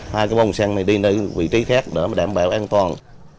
hai cái bồn xe này đi đến vị trí khác để đảm bảo an toàn